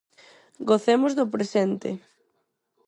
Gocemos do presente.